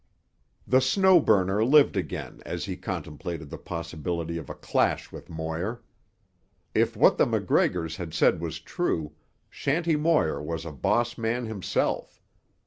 The Snow Burner lived again as he contemplated the possibilities of a clash with Moir. If what the MacGregors had said was true, Shanty Moir was a boss man himself.